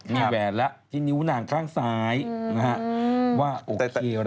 มีแหวนแล้วที่นิ้วนางข้างซ้ายว่าโอเคนะ